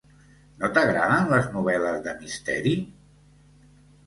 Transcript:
No t'agraden les novel·les de misteri?